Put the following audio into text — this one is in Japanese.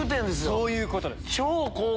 そういうことです。